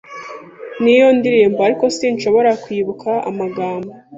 Nzi iyo ndirimbo, ariko sinshobora kwibuka amagambo.